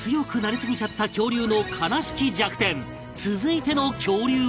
続いての恐竜は